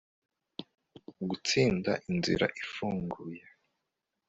Gutsinda inzira ifunganye